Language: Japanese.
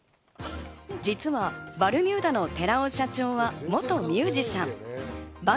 実はバルミューダの寺尾社長は元ミュージシャン。